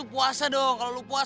dulu berhenti sedangkan aku malang